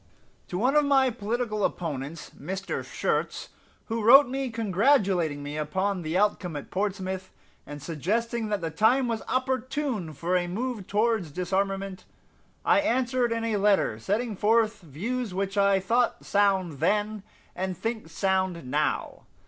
To one of my political opponents, Mr. Schurz, who wrote me congratulating me upon the outcome at Portsmouth, and suggesting that the time was opportune for a move towards disarmament, I answered in a letter setting forth views which I thought sound then, and think sound now.